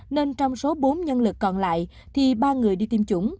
nên trong số bốn nhân lực còn lại thì ba người đi tiêm chủng